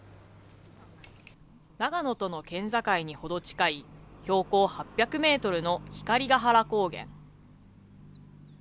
長野との県境にほど近い、標高８００メートルの光ケ原高原。